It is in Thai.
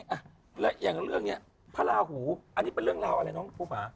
อ่ะแล้วอย่างเรื่องนี้พระราหูอันนี้เป็นเรื่องราวอะไรน้องภูผา